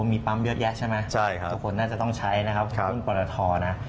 ทุกคนน่าจะต้องใช้นะครับของปลาตทอทนะ